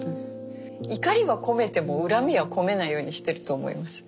怒りは込めても恨みは込めないようにしてると思います。